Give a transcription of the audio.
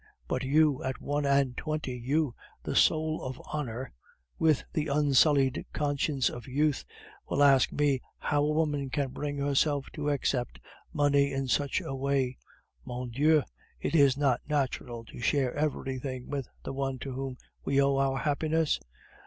But you, at one and twenty, you, the soul of honor, with the unsullied conscience of youth, will ask me how a woman can bring herself to accept money in such a way? Mon Dieu! is it not natural to share everything with the one to whom we owe our happiness?